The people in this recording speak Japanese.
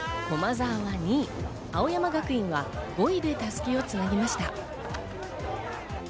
駒澤は２位、青山学院は５位で襷をつなぎました。